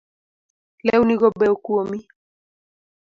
Lewni go beyo kuomi